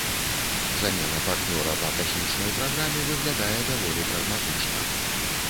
Замена партнёра па касмічнай праграме выглядае даволі прагматычна.